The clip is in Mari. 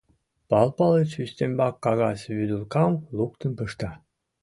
Пал Палыч ӱстембак кагаз вӱдылкам луктын пышта.